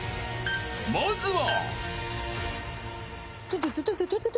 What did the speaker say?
［まずは］